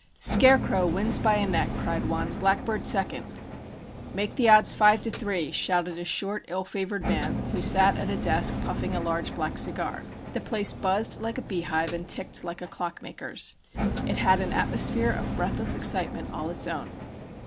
"Scarecrow wins by a neck!" cried one, "Blackbird second!" "Make the odds 5 to 3," shouted a short, ill favored man, who sat at a desk puffing a large black cigar. The place buzzed like a beehive and ticked like a clockmaker's. It had an atmosphere of breathless excitement all its own.